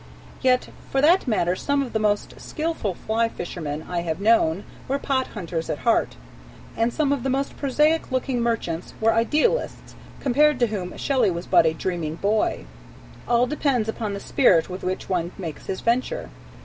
Yet for that matter some of the most skillful fly fishermen I have known were pot hunters at heart, and some of the most prosaic looking merchants were idealists compared to whom Shelley was but a dreaming boy. All depends upon the spirit with which one makes his venture.